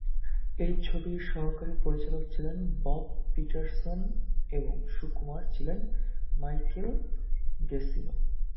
এই ছবির সহকারী-পরিচালক ছিলেন বব পিটারসন এবং সুরকার ছিলেন মাইকেল গেসিনো।